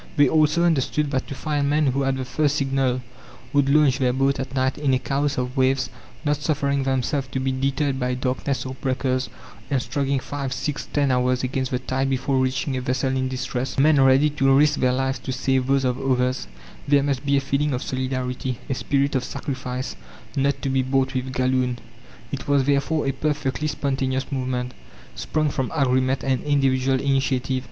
They also understood that to find men who at the first signal would launch their boat at night, in a chaos of waves, not suffering themselves to be deterred by darkness or breakers, and struggling five, six, ten hours against the tide before reaching a vessel in distress men ready to risk their lives to save those of others there must be a feeling of solidarity, a spirit of sacrifice not to be bought with galloon. It was therefore a perfectly spontaneous movement, sprung from agreement and individual initiative.